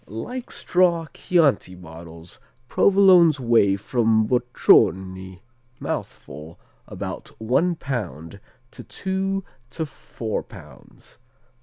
Like straw Chianti bottles, Provolones weigh from bocconi (mouthful), about one pound, to two to four pounds.